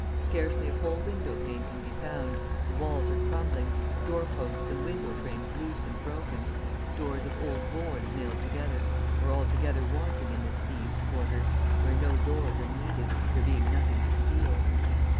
Scarcely a whole window pane can be found, the walls are crumbling, door posts and window frames loose and broken, doors of old boards nailed together, or altogether wanting in this thieves' quarter, where no doors are needed, there being nothing to steal.